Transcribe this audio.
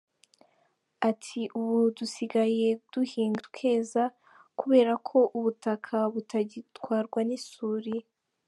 Ati “Ubu dusigaye duhinga tukeza, kubera ko ubutaka butagitwarwa n’isuri.